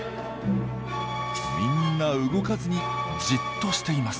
みんな動かずにじっとしています。